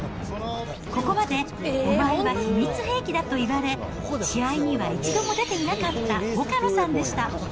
ここまでお前は秘密兵器だといわれ、試合には一度も出ていなかった岡野さんでした。